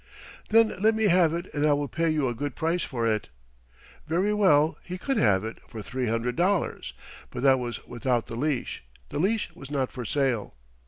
"Then let me have it and I will pay you a good price for it." Very well, he could have it for three hundred dollars, but that was without the leash; the leash was not for sale.